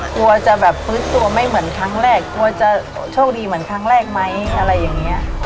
กลัวจะแบบฟื้นตัวไม่เหมือนครั้งแรกกลัวจะโชคดีเหมือนครั้งแรกไหมอะไรอย่างนี้